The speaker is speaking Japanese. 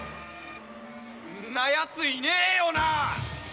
んなやつ、いねえよなあ！